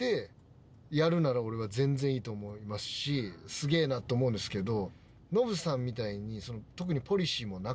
すげぇなって思うんですけど。